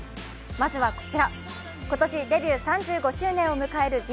まずはこちら、今年デビュー３５周年を迎えるＢ